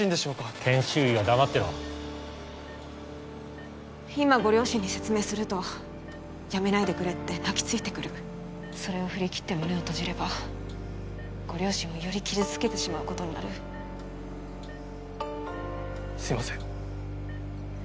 研修医は黙ってろ今ご両親に説明するとやめないでくれって泣きついてくるそれを振り切って胸を閉じればご両親をより傷つけてしまうことになるすいません